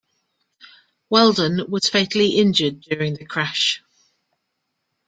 Wheldon was fatally injured during the crash.